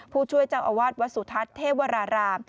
ผู้ช่วยเจ้าอวาดวสุทัศน์เทวราหร่า